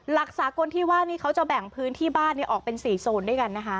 สากลที่ว่านี่เขาจะแบ่งพื้นที่บ้านออกเป็น๔โซนด้วยกันนะคะ